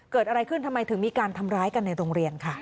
เกิดอะไรขึ้นทำไมถึงมีการทำร้ายกันในโรงเรียนค่ะ